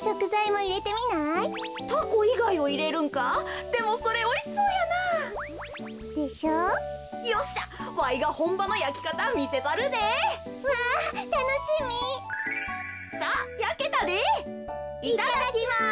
いただきます。